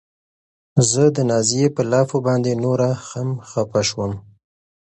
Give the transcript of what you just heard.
زه د نازيې په لافو باندې نوره هم خپه شوم.